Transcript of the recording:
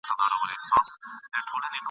وطن بېغمه له محتسبه !.